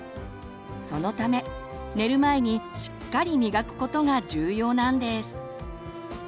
そのため寝る前にしっかり磨くことが重要なんです。